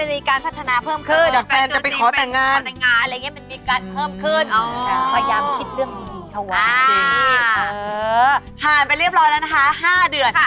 ผ่านไปเรียบร้อยแล้วนะคะ๕เดือน